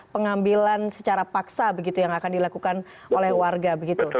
pengambilan secara paksa begitu yang akan dilakukan oleh warga begitu